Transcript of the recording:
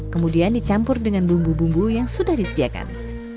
kemudian dicampur dengan bumbu bumbu yang sudah disediakan